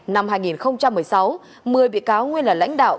năm hai nghìn một mươi sáu một mươi bị cáo nguyên là lãnh đạo